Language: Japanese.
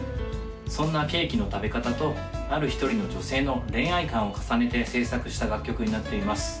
そんなケーキの食べ方とある１人の女性の恋愛観を重ねて制作した楽曲になっています